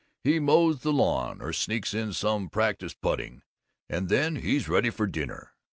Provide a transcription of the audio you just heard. He mows the lawn, or sneaks in some practice putting, and then he's ready for dinner.